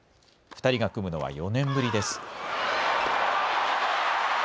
２人が組むのは４年ぶりです。